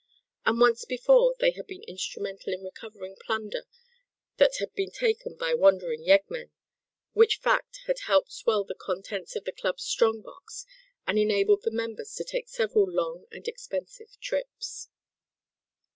And once before had they been instrumental in recovering plunder that had been taken by wandering yeggmen; which fact had helped swell the contents of the club's strong box, and enabled the members to take several long and expensive trips.